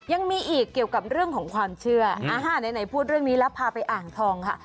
ยังมีอีกเกี่ยวกับเรื่องของความเชื่อไหนพูดเรื่องนี้แล้วพาไปอ่างทองค่ะ